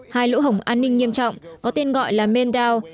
hai lỗ hỏng an ninh nghiêm trọng có tên gọi là maindao